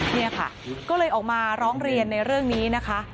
เนี่ยค่ะก็เลยออกมาร้องเรียนในเรื่องนี้นะคะ